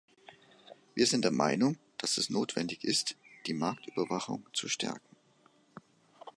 Wir sind der Meinung, dass es notwendig ist, die Marktüberwachung zu stärken.